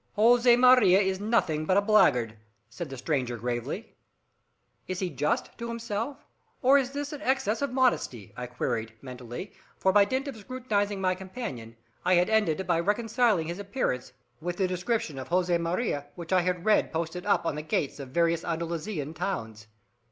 "Jose Maria is nothing but a blackguard," said the stranger gravely. "Is he just to himself, or is this an excess of modesty?" I queried, mentally, for by dint of scrutinizing my companion, I had ended by reconciling his appearance with the description of Jose Maria which I read posted up on the gates of various Andalusian towns.